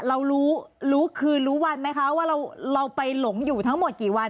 เรารู้รู้คืนรู้วันไหมคะว่าเราไปหลงอยู่ทั้งหมดกี่วัน